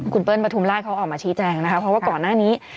คุณเปิ้ลปฐุมราชเขาออกมาชี้แจงนะคะเพราะว่าก่อนหน้านี้